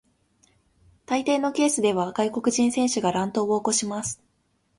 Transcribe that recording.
大抵のケースでは外国人選手が乱闘を起こします。